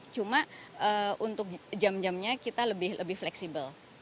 cuma untuk jam jamnya kita lebih fleksibel